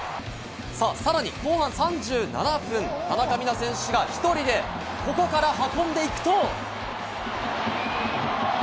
さらに後半３７分、田中美南選手が１人で、ここから運んでいくと。